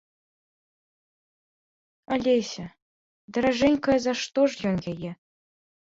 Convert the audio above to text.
Алеся, даражэнькая за што ж ён яе?